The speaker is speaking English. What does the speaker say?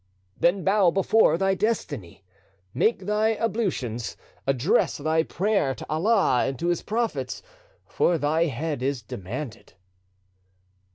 "Then bow before thy destiny; make thy ablutions; address thy prayer to Allah and to His Prophet; for thy, head is demanded.